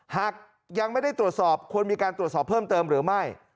หากยังไม่ได้ตรวจสอบควรมีการตรวจสอบเพิ่มเติมหรือไม่